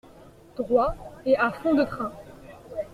Droit, et à fond de train.